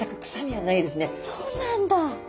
そうなんだ。